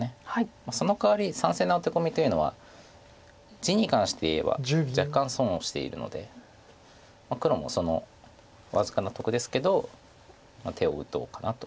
そのかわり３線のアテコミというのは地に関して言えば若干損をしているので黒も僅かな得ですけど手を打とうかなと。